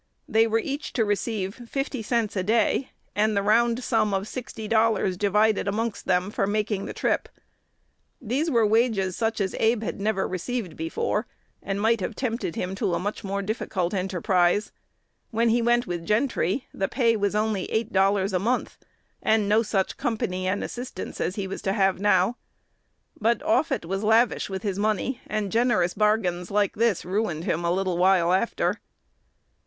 They were each to receive fifty cents a day, and the round sum of sixty dollars divided amongst them for making the trip. These were wages such as Abe had never received before, and might have tempted him to a much more difficult enterprise. When he went with Gentry, the pay was only eight dollars a month, and no such company and assistance as he was to have now. But Offutt was lavish with his money, and generous bargains like this ruined him a little while after.